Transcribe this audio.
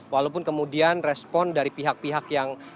dari negara smic ke jakarta